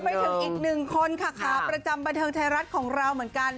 ไปถึงอีกหนึ่งคนค่ะขาประจำบันเทิงไทยรัฐของเราเหมือนกัน